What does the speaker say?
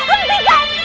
agung tujuan aku